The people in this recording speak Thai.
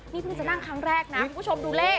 นี่เพิ่งจะนั่งครั้งแรกนะคุณผู้ชมดูเลข